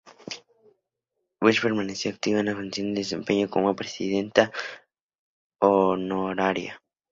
Bush permaneció activa en la fundación y se desempeñó como presidenta honoraria.